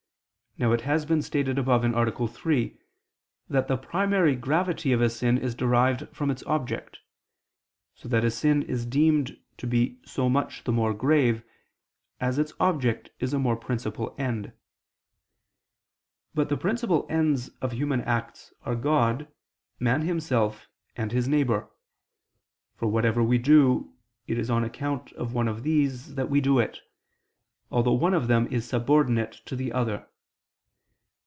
Now it has been stated above (A. 3) that the primary gravity of a sin is derived from its object; so that a sin is deemed to be so much the more grave, as its object is a more principal end. But the principal ends of human acts are God, man himself, and his neighbor: for whatever we do, it is on account of one of these that we do it; although one of them is subordinate to the other.